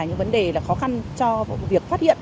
những vấn đề là khó khăn cho việc phát hiện